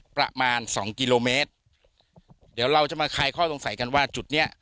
ประมาณสองกิโลเมตรเดี๋ยวเราจะมาคลายข้อสงสัยกันว่าจุดเนี้ย